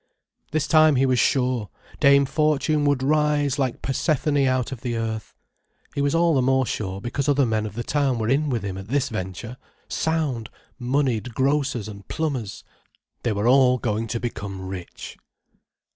This time he was sure: Dame Fortune would rise like Persephone out of the earth. He was all the more sure, because other men of the town were in with him at this venture: sound, moneyed grocers and plumbers. They were all going to become rich.